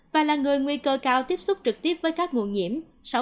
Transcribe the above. và là người nguy cơ cao tiếp xúc trực tiếp với các nguồn nhiễm sáu mươi bảy ba